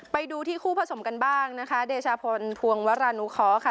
ไปดูที่คู่ผสมกันบ้างนะคะเดชาพลภวงวรานุเคาะค่ะ